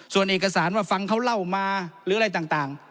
ส่วนเอกสารว่าฟังเขาเล่ามาหรืออะไรต่าง